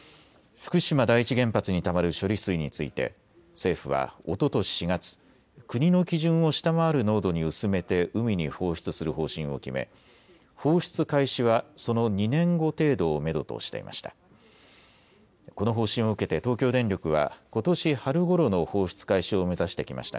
福島第一原発にたまる処理水について政府はおととし４月、国の基準を下回る濃度に薄めて海に放出する方針を決め放出開始はその２年後程度をめどとしていました。